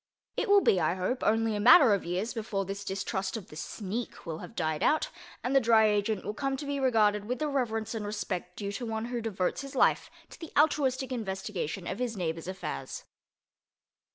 It will be, I hope, only a matter of years before this distrust of the "sneak" will have died out, and the Dry Agent will come to be regarded with the reverence and respect due to one who devotes his life to the altruistic investigation of his neighbor's affairs.